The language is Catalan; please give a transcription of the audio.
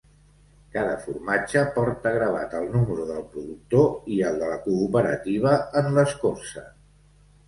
Cada formatge porta gravat el número del productor i el de la cooperativa en l'escorça.